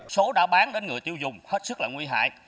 số đã bán đến người tiêu dùng hết sức là nguy hại